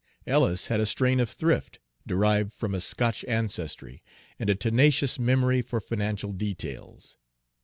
Ellis had a strain of thrift, derived from a Scotch ancestry, and a tenacious memory for financial details.